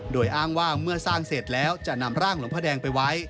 โดยอ้างว่าเมื่อสร้างเสร็จแล้วจะนำร่างหลวงพระแดงไปไว้